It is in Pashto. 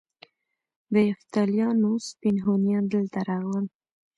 د یفتلیانو سپین هونیان دلته راغلل